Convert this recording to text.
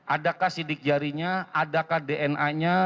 adakah sidik jarinya adakah dna nya